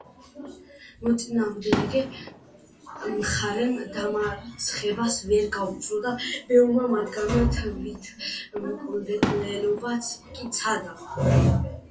მოწინააღმდეგე მხარემ დამარცხებას ვერ გაუძლო და ბევრმა მათგანმა თვითმკვლელობაც კი სცადა.